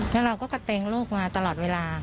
แล้วเราก็กระเตงลูกมาตลอดเวลา